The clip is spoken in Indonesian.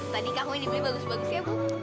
tadi kamu ini beli bagus bagus ya bu